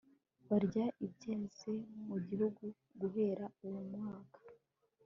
barya ibyeze mu gihugu guhera uwo mwaka